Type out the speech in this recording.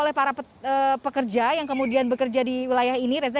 oleh para pekerja yang kemudian bekerja di wilayah ini reza